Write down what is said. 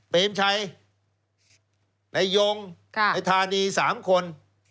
เปรียมชัยไอ้ยงไอ้ธานี๓คน